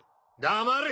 黙れ！